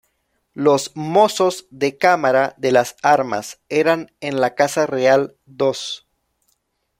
Los "mozos de cámara de las armas" eran en la casa real dos.